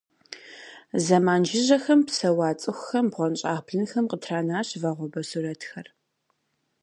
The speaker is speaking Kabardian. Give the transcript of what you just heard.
Зэман жыжьэхэм псэуа цӏыхухэм бгъуэнщӏагъ блынхэм къытранащ вагъуэбэ сурэтхэр.